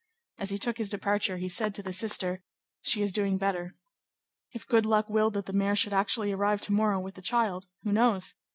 As he took his departure, he said to the sister:— "She is doing better; if good luck willed that the mayor should actually arrive to morrow with the child, who knows?